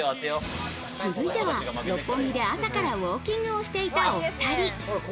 続いては六本木で朝からウォーキングをしていたお２人。